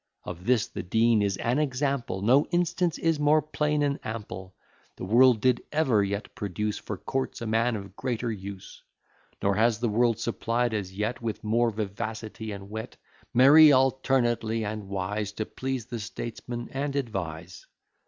Of this the Dean is an example, No instance is more plain and ample. The world did never yet produce, For courts a man of greater use. Nor has the world supplied as yet, With more vivacity and wit; Merry alternately and wise, To please the statesman, and advise.